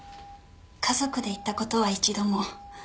家族で行った事は一度も。